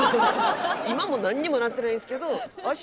今も何にもなってないですけど。